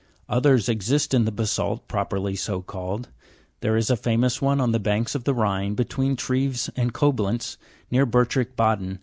Others exist in the ba sa'lt, properly so called ; there is a famous one on the banks of the Rhine, between Troves " and Coblcntz, near Ber trich Baden (Jig.